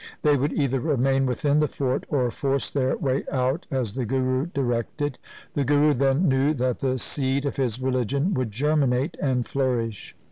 They would either remain within the fort or force their way out as the Guru directed. The Guru then knew that the seed of his religion would germinate and flourish.